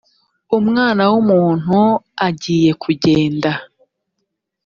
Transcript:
umwana w’umuntu agiye kugenda